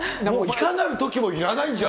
いかなるときもいらないんじ